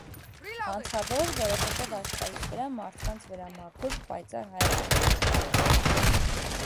Հանցավո՞ր, որովհետև աշխարհիս վրա, մարդկանց վրա մաքուր, պայծառ հայացք եմ ունեցել: